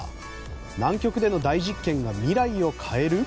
南極での大実験が未来を変える？